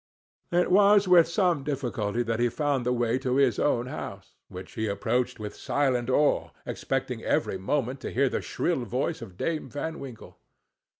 It was with some difficulty that he found the way to his own house, which he approached with silent awe, expecting every moment to hear the shrill voice of Dame Van Winkle.